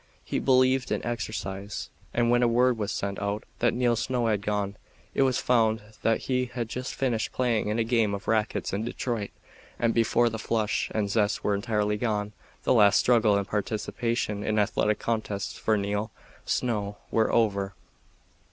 He believed in exercise, and when word was sent out that Neil Snow had gone, it was found that he had just finished playing in a game of racquets in Detroit, and before the flush and zest were entirely gone, the last struggle and participation in athletic contests for Neil Snow were over.